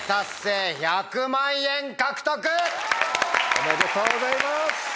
おめでとうございます。